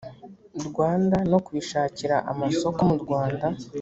rwanda no kubishakira amasoko mu rwanda